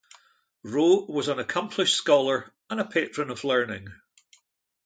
Roe was an accomplished scholar and a patron of learning.